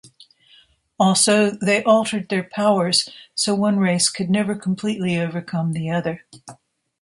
Also they altered their powers so one race could never completely overcome the other.